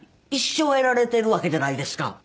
一生やられてるわけじゃないですか。